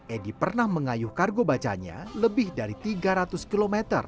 edi pernah mengayuh kargo bacanya lebih dari tiga ratus km